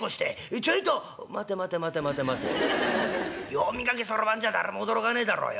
読み書きそろばんじゃ誰も驚かねえだろうよ。